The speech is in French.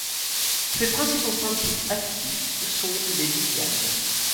Ses principaux principes actifs sont les Lignanes.